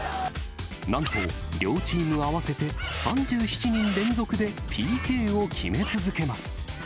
なんと、両チーム合わせて３７人連続でＰＫを決め続けます。